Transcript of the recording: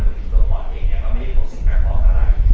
หรือถึงตัวปอดเองเนี่ยก็ไม่ได้มีพวกสิ่งการปลอมอะไร